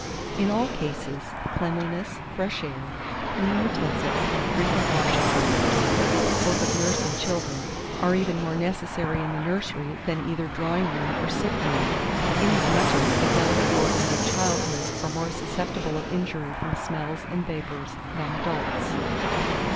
2412. In all cases, cleanliness, fresh air, clean utensils, and frequent washing of the person, both of nurse and children, are even more necessary in the nursery than in either drawing room or sick room, inasmuch as the delicate organs of childhood are more susceptible of injury from smells and vapours than adults.